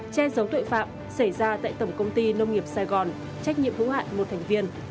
che giấu tội phạm xảy ra tại tổng công ty nông nghiệp sài gòn trách nhiệm hữu hạn một thành viên